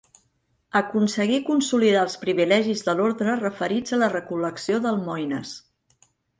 Aconseguí consolidar els privilegis de l'orde referits a la recol·lecció d'almoines.